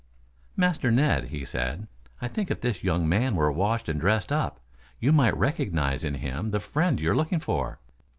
"Master Ned," he said. "I think if this young man were washed and dressed up, you might recognize in him the friend you are looking for."